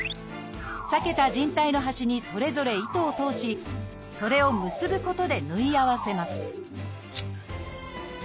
裂けた靭帯の端にそれぞれ糸を通しそれを結ぶことで縫い合わせます